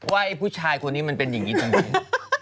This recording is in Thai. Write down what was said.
ไอ้ผู้ชายคนนี้มันเป็นอย่างนี้จังเลย